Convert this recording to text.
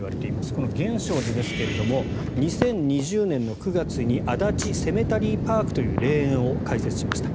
この源証寺ですが２０２０年９月に足立セメタリーパークという霊園を開設しました。